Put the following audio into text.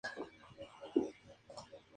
Eventualmente, Dawn consiguió casarse con Al.